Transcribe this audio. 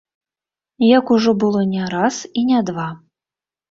Як ужо было не раз і не два.